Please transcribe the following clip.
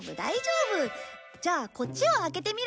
じゃあこっちを開けてみる。